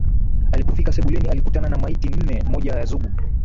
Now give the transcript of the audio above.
Alipofika sebuleni alikutana na maiti nne moja ya Zugu